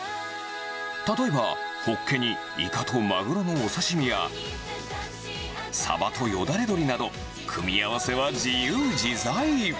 例えば、ホッケにイカとマグロのお刺身や、サバとよだれ鶏など、組み合わせは自由自在。